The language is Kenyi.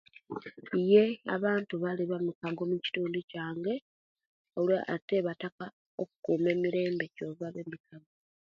Iye abantu bali bamukago omukintundu kyange olwa ate bataka okuba emirembe kyova bemikwago